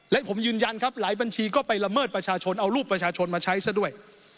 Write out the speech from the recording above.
และผมยืนยันครับหลายบัญชีก็ไปละเมิดประชาชนเอารูปประชาชนมาใช้ซะด้วย